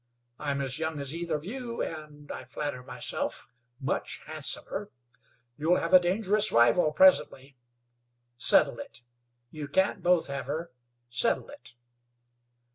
I'm as young as either of you, and, I flatter myself, much handsomer. You'll have a dangerous rival presently. Settle it! You can't both have her; settle it!"